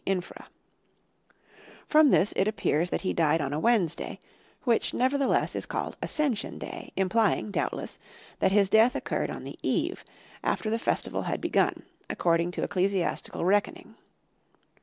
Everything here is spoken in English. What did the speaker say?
infra_). From this it appears that he died on a Wednesday, which nevertheless is called Ascension Day, implying, doubtless, that his death occurred on the eve, after the festival had begun, according to ecclesiastical reckoning.